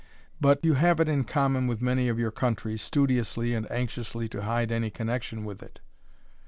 But you have it in common with many of your country, studiously and anxiously to hide any connexion with it.